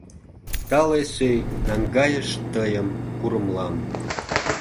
Тале сӧй наҥгайыш Тыйым курымлан.